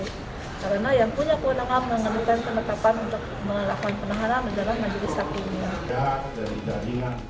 karena yang punya kewenangan mengandungkan penetapan untuk melakukan penahanan menjelang majelis hakim